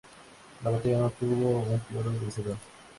La batalla no tuvo un claro vencedor.